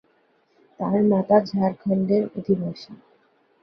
তার মাতা ঝাড়খণ্ডের অধিবাসী।